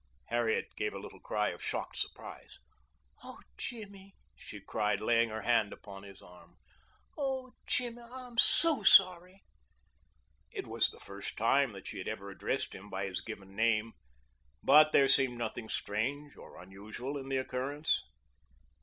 Harriet gave a little cry of shocked surprise. "Oh, Jimmy," she cried, laying her hand upon his arm. "Oh, Jimmy, I am so sorry!" It was the first time that she had ever addressed him by his given name, but there seemed nothing strange or unusual in the occurrence.